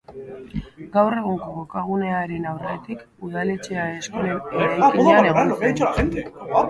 Gaur egungo kokagunearen aurretik, udaletxea eskolen eraikinean egon zen.